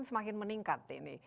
semakin meningkat ini